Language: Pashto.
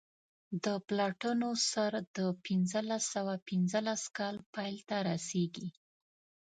د پلټنو سر د پنځلس سوه پنځلس کال پیل ته رسیږي.